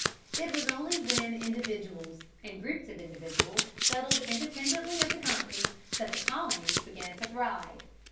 It was only when individuals, and groups of individuals, settled independently of the companies that the colonies began to thrive.